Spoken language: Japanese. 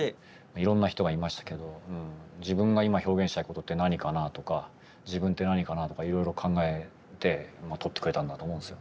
いろんな人がいましたけど自分が今表現したいことって何かなとか自分って何かなとかいろいろ考えて撮ってくれたんだと思うんですよ。